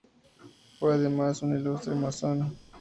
Fue además un ilustre masón.